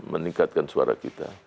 meningkatkan suara kita